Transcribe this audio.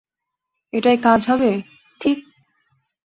এটায় কাজ হবে, ঠিক?